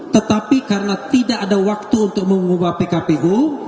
tetapi karena tidak ada waktu untuk mengubah pkpu